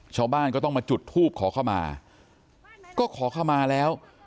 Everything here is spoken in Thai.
ชาวบ้านก็ต้องมาจุดทูบขอเข้ามาก็ขอเข้ามาแล้ว